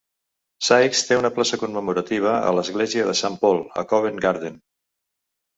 Sykes té una placa commemorativa a l'església de Saint Paul, a Covent Garden.